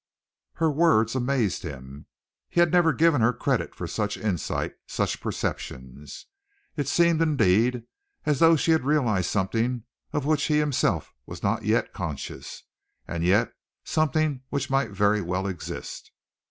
Her words amazed him. He had never given her credit for such insight, such perceptions. It seemed, indeed, as though she had realized something of which he himself was not yet conscious, and yet something which might very well exist.